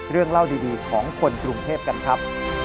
เรื่องเล่าดีของคนกรุงเทพกันครับ